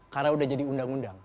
karena udah jadi undang undang